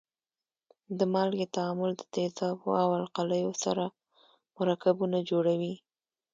د مالګې تعامل د تیزابو او القلیو سره مرکبونه جوړوي.